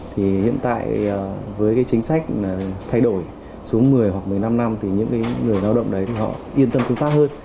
thì hiện tại với cái chính sách thay đổi xuống một mươi hoặc một mươi năm năm thì những người lao động đấy họ yên tâm tương tác hơn